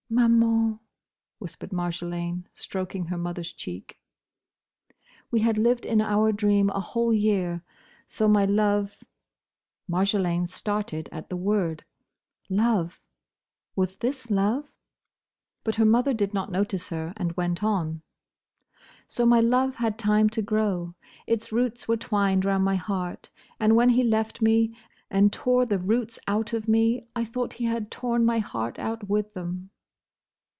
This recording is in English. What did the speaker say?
"Maman!" whispered Marjolaine, stroking her mother's cheek. "We had lived in our dream a whole year; so my love—" Marjolaine started at the word. "Love!" Was this love?— But her mother did not notice her, and went on; "So my love had time to grow. Its roots were twined round my heart; and when he left me, and tore the roots out of me, I thought he had torn my heart out with them."